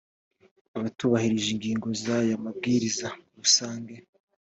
batubahirije ingingo z’aya mabwiriza rusange